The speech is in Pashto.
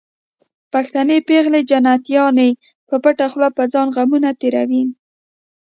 پښتنې پېغلې جنتيانې په پټه خوله په ځان غمونه تېروينه